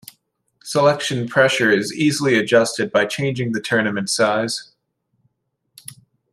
Selection pressure is easily adjusted by changing the tournament size.